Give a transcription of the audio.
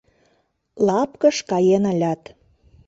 — Лапкыш каен ылят.